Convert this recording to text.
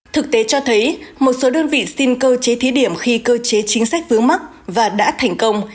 thực tế cho thấy một số đơn vị xin cơ chế thí điểm khi cơ chế chính sách vướng mắc và đã thành công